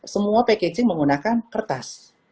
semua packaging menggunakan kertas